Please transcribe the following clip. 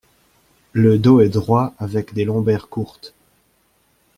Le dos est droit avec des lombaires courtes.